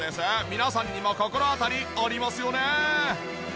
皆さんにも心当たりありますよね？